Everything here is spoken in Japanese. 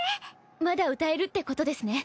まだ歌えるってことですね。